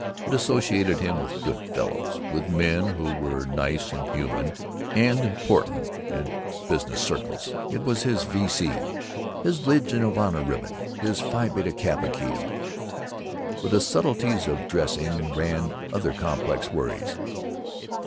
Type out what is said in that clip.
It associated him with Good Fellows, with men who were nice and human, and important in business circles. It was his V.C., his Legion of Honor ribbon, his Phi Beta Kappa key. With the subtleties of dressing ran other complex worries.